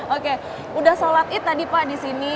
oke sudah sholat id tadi pak di sini